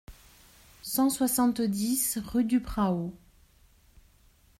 cent soixante-dix rue du Prao